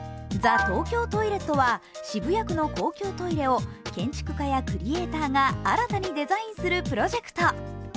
ＴＨＥＴＯＫＹＯＴＯＩＬＥＴは渋谷区の公共トイレを建築家やクリエーターが新たにデザインするプロジェクト。